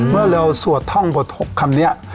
เมื่อเราสวดท่องบท๖คำนี้